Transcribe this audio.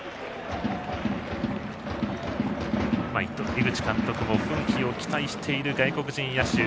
井口監督も奮起を期待している外国人野手。